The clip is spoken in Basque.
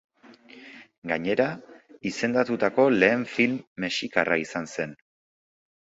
Gainera, izendatutako lehen film mexikarra izan zen.